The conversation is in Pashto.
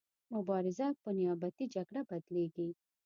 مبارزه په نیابتي جګړه بدلیږي.